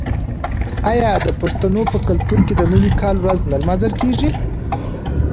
آیا د پښتنو په کلتور کې د نوي کال ورځ نه لمانځل کیږي؟